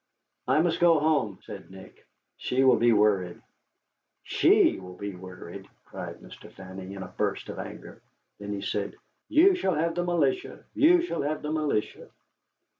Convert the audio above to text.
"I must go home," said Nick; "she will be worried." "She will be worried!" cried Mr. Fanning, in a burst of anger. Then he said: "You shall have the militia. You shall have the militia."